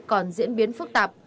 còn diễn biến phức tạp